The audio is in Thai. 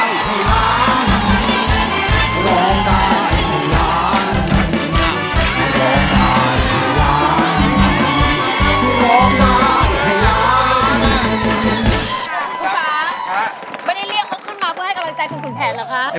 คุณฟ้าไม่ได้เรียกเขาขึ้นมาเพื่อให้กำลังใจคุณขุนแผนเหรอคะ